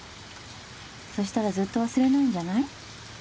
そしたらずっと忘れないんじゃない？